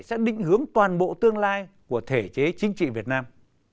sẽ định hướng toàn bộ tương lai của thể chế chính trị việt nam